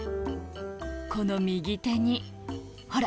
この右手にほら！